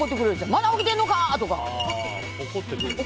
まだ起きてんのか！とか。